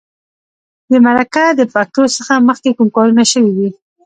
د مرکه د پښتو څخه مخکې کوم کارونه شوي وي.